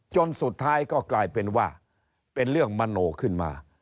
จนสุดท้ายก็กลายเป็นว่าเป็นเรื่องมโนขึ้นมา